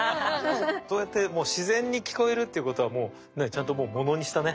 そうやってもう自然に聞こえるっていうことはもうちゃんと物にしたね。